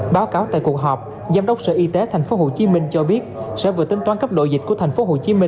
báo cáo tại cuộc họp giám đốc sở y tế tp hcm cho biết sẽ vừa tính toán cấp độ dịch của tp hcm